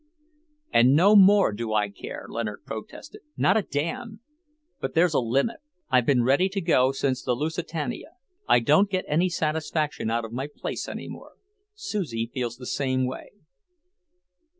"And no more do I care," Leonard protested, "not a damn! But there's a limit. I've been ready to go since the Lusitania. I don't get any satisfaction out of my place any more. Susie feels the same way."